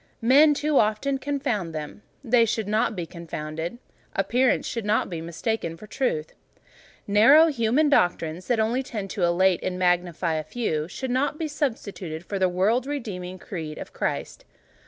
Men too often confound them: they should not be confounded: appearance should not be mistaken for truth; narrow human doctrines, that only tend to elate and magnify a few, should not be substituted for the world redeeming creed of Christ.